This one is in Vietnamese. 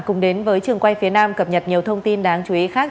cùng đến với trường quay phía nam cập nhật nhiều thông tin đáng chú ý khác